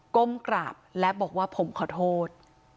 ก้มกราบและบอกว่าผมขอโทษ